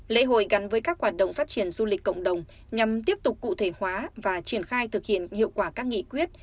lễ hội gắn với các hoạt động phát triển du lịch cộng đồng nhằm tiếp tục cụ thể hóa và triển khai thực hiện hiệu quả các nghị quyết